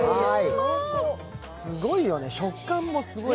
すごいよね、食感もすごい。